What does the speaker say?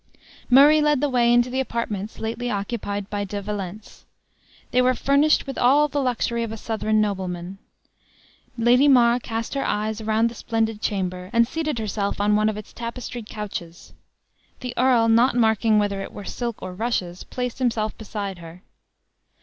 Murray led the way into the apartments lately occupied by De Valence. They were furnished with all the luxury of a Southron nobleman. Lady Mar cast her eyes around the splendid chamber, and seated herself on one of its tapestried couches. The earl, not marking whether it were silk or rushes, placed himself beside her.